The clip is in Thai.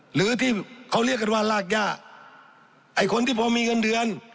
หรือที่เขาเรียกกันว่ารากย่าไอ้คนที่พอมีเงินเดือน